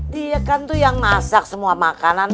dia kan tuh yang masak semua makanan